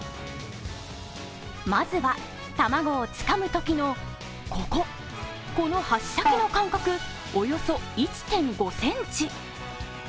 まずは卵をつかむときのここ、この箸先の間隔、およそ１．５ｃｍ。